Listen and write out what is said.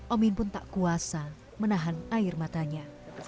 omin pun tak kuasa menahan air matanya